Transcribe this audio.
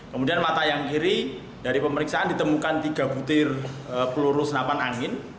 kemudian mata yang kiri dari pemeriksaan ditemukan tiga butir peluru senapan angin